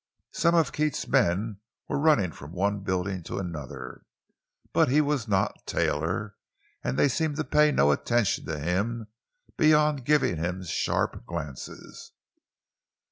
Some of Keats's men were running from one building to another; but he was not Taylor, and they seemed to pay no attention to him, beyond giving him sharp glances.